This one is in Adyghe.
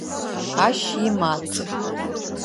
Ащ имат.